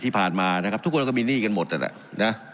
ที่ผ่านมานะครับทุกคนก็มีหนี้กันหมดนั่นแหละนะ